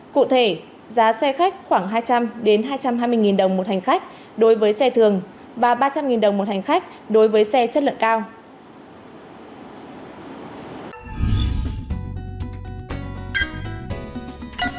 cụ thể giá xe khách khoảng hai trăm linh hai trăm hai mươi đồng một hành khách đối với xe thường và ba trăm linh đồng một hành khách đối với xe chất lượng cao